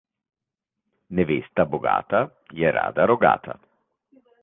Nevesta bogata, je rada rogata.